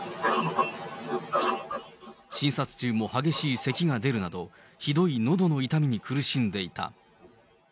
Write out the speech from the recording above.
診察中も激しいせきが出るなど、ひどいのどの痛みに苦しんでいた。